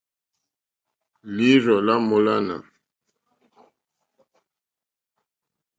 Lǐīrzɔ́ lá mòlânà.